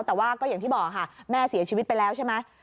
แต่ว่าก็อย่างที่บอกค่ะแม่เสียชีวิตไปแล้วใช่ไหม